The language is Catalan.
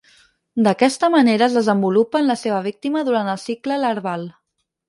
D'aquesta manera es desenvolupa en la seva víctima durant el cicle larval.